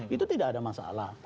itu tidak ada masalah